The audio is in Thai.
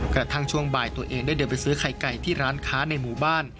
กระทั่งช่วงบ่ายตัวเองได้เดินไปซื้อไข่ไก่ที่ร้านค้าในหมู่บ้าน